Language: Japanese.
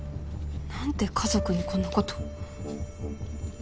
何で家族にこんなこと。